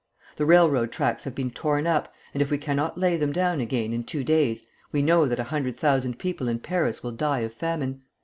The railroad tracks have been torn up, and if we cannot lay them down again in two days, we know that a hundred thousand people in Paris will die of famine.